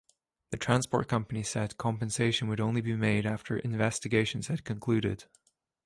The transport company said compensation would only be made after investigations had concluded.